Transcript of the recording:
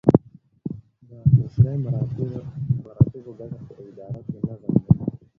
د سلسله مراتبو ګټه په اداره کې نظم دی.